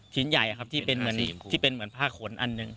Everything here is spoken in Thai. ใหญ่ครับที่เป็นเหมือนที่เป็นเหมือนผ้าขนอันหนึ่ง